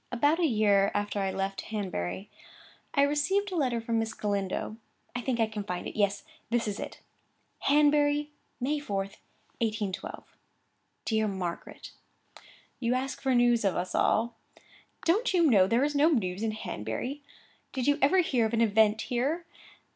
About a year after I left Hanbury, I received a letter from Miss Galindo; I think I can find it.—Yes, this is it. 'Hanbury, May 4, 1811. DEAR MARGARET, 'You ask for news of us all. Don't you know there is no news in Hanbury? Did you ever hear of an event here?